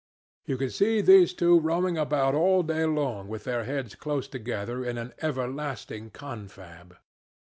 You could see these two roaming about all day long with their heads close together in an everlasting confab.